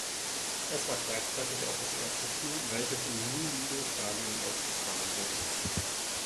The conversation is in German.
Es war gleichzeitig auch das erste Spiel, welches im New Meadow Stadion ausgetragen wurde.